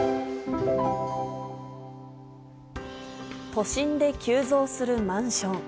都心で急増するマンション。